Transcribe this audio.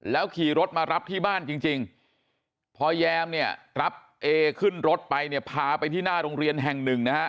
ขี่รถมารับที่บ้านจริงพอแยมเนี่ยรับเอขึ้นรถไปเนี่ยพาไปที่หน้าโรงเรียนแห่งหนึ่งนะฮะ